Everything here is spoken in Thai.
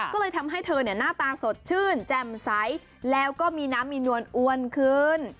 ก็เลยทำให้เธอหน้าตาสดชื่นแจ่มใสแล้วก็มีน้ำมีนวลอ้วนขึ้น